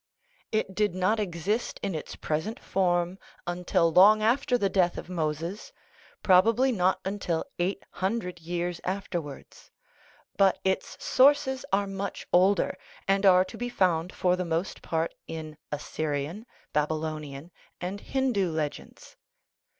It did not exist in its present form until long after the death of Moses (probably not until eight hundred years after wards) ; but its sources are much older, and are to be found for the most part in Assyrian, Babylonian, and Hindoo legends.